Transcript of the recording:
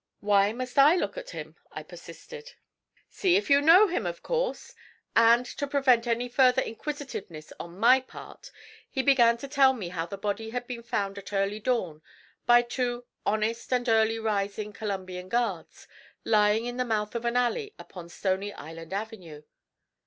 'Why must I look at him?' I persisted. 'See if you know him, of course!' and to prevent any further inquisitiveness on my part he began to tell me how the body had been found at early dawn by two 'honest and early rising Columbian Guards,' lying in the mouth of an alley upon Stony Island Avenue.